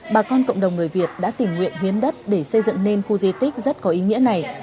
bà con cộng đồng người việt đã tình nguyện hiến đất để xây dựng nên khu di tích rất có ý nghĩa này